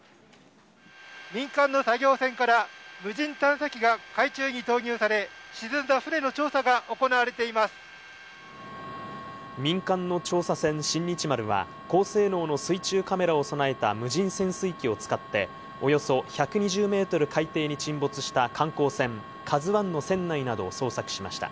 民間の作業船から無人探査機が海中に投入され、民間の調査船、新日丸は、高性能の水中カメラを備えた無人潜水機を使って、およそ１２０メートル海底に沈没した観光船ＫＡＺＵＩの船内などを捜索しました。